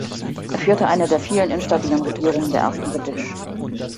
Er führte eine der vielen instabilen Regierungen der ersten Republik.